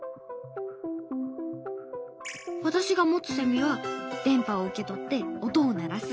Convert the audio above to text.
私が持つセミは電波を受け取って音を鳴らす。